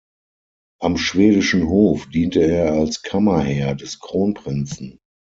Am schwedischen Hof diente er als Kammerherr des Kronprinzen.